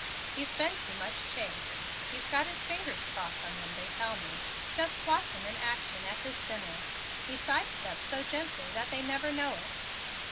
"He's been too much chased. He's got his fingers crossed on them, they tell me. Just watch him in action at his dinner. He side steps so gently that they never know it."